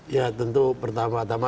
ya tentu pertama tama